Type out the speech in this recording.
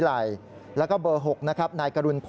แล้วก็เบอร์๖นะครับ